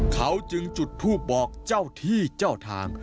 เขาจึงจุดทูปบอกเจ้าที่เจ้าทาง